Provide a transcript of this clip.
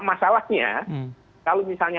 masalahnya kalau misalnya